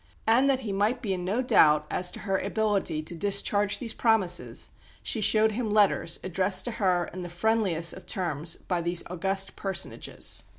And that he might be in no doubt as to her ability to discharge these promises, she showed him letters, addressed to her in the friendliest of terms by these august personages.